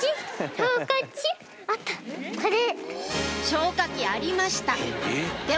消火器ありました